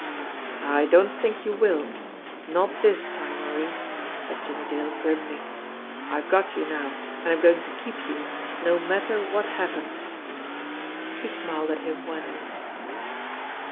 "I don't think you will not this time, Marie !" said Jimmie Dale grimly. "I've got you now, and I'm going to keep you no matter what happens." She smiled at him wanly.